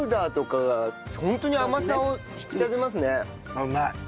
あっうまい。